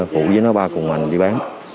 phụ với nó ba cùng mình đi bán